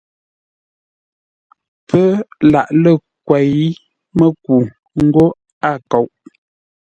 Pə́ laʼ lə́ kwěi-mə́ku ńgó a kóʼ.